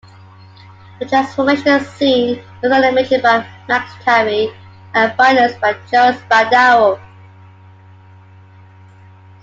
The transformation scene was animated by Max Tyrie and finalized by Joe Spadaro.